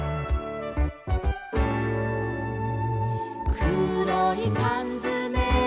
「くろいかんづめ」